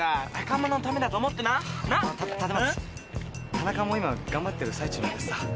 田中も今頑張ってる最中なんだしさ。